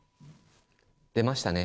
出ましたね。